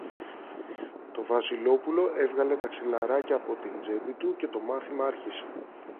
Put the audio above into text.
Το Βασιλόπουλο έβγαλε τα ξυλαράκια από την τσέπη του και το μάθημα άρχισε.